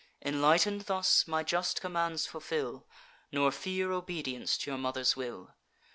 Enlighten'd thus, my just commands fulfil, Nor fear obedience to your mother's will.